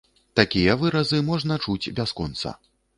Такія выразы можна чуць бясконца.